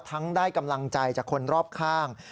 ได้กำลังใจจากคนรอบข้าง